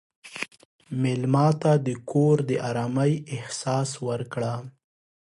مېلمه ته د کور د ارامۍ احساس ورکړه.